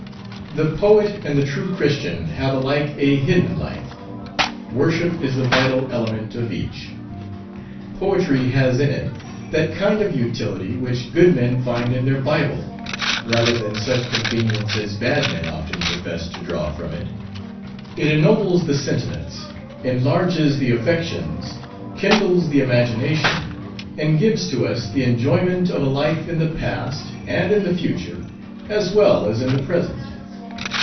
The poet and the true Christian have alike a hidden life. Worship is the vital element of each. Poetry has in it that kind of utility which good men find in their Bible, rather than such convenience as bad men often profess to draw from it. It ennobles the sentiments, enlarges the affections, kindles the imagination, and gives to us the enjoyment of a life in the past, and in the future, as well as in the present.